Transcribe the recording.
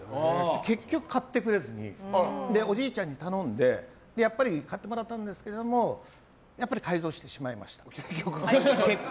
結局、買ってくれずにおじいちゃんに頼んで買ってもらったんですけどやっぱり改造してしまいました。